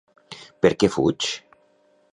Perquè fuig?